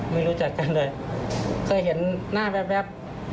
ไม่รู้จักกันเลยเคยเห็นหน้าแว๊บ